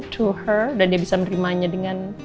to her dan dia bisa menerimanya dengan